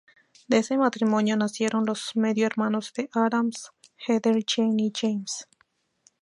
De ese matrimonio nacieron los medio hermanos de Adams, Heather, Jane y James.